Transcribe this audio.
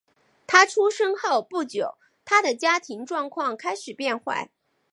他出生后不久他的家庭状况开始变坏。